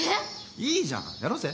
いいじゃんやろうぜなっ。